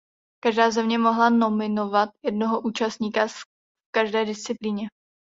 Každá země mohla nominovat jednoho účastníka v každé disciplíně.